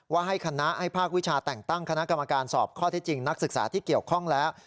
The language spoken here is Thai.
ให้คณะให้ภาควิชาแต่งตั้งคณะกรรมการสอบข้อเท็จจริงนักศึกษาที่เกี่ยวข้องแล้ว